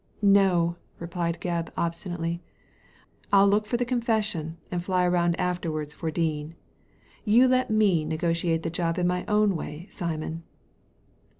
''No!" replied Gebb, obstinately. "I'll look for the confession, and fly round afterwards for Dean. You let me negotiate the job in my own way, Simon."